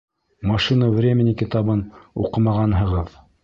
«Машина времени» китабын уҡымағанһығыҙ.